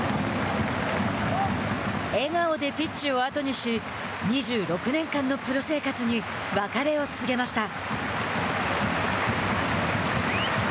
笑顔でピッチを後にし２６年間のプロ生活に別れを告げました。